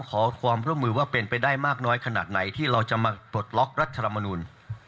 ขอความร่วมมือว่าเป็นไปได้มากน้อยขนาดไหนที่เราจะมาปลดล็อกรัฐธรรมนูล